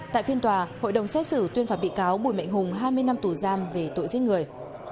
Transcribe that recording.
tại phiên tòa hội đồng xét xử tuyên phạt bị cáo bùi mạnh hùng hai mươi năm tù giam về tội giết người